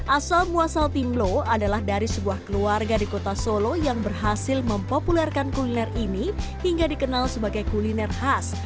asal muasal timlo adalah dari sebuah keluarga di kota solo yang berhasil mempopulerkan kuliner ini hingga dikenal sebagai kuliner khas